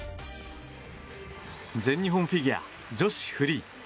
全日本フィギュア女子フリー。